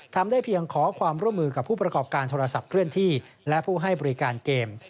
ทำได้เพียงขอความร่วมมือกับผู้ประกอบการโทรศัพท์เคลื่อนที่และผู้ให้บริการเกม